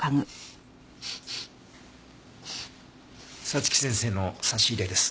早月先生の差し入れです。